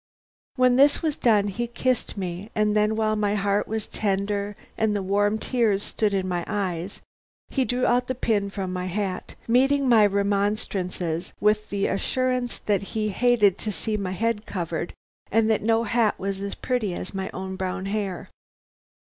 When this was done he kissed me, and then while my heart was tender and the warm tears stood in my eyes, he drew out the pin from my hat, meeting my remonstrances with the assurance that he hated to see my head covered, and that no hat was as pretty as my own brown hair.